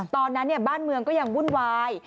ตอนนั้นบ้านเมืองก็ยังวุ่นวาย